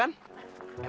emang gak ada yang keren